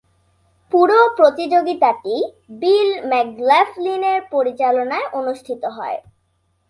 পুরো প্রতিযোগিতাটি বিল ম্যাকগ্ল্যাফলিনের পরিচালনায় অনুষ্ঠিত হয়।